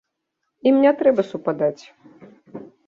Ім і не трэба супадаць.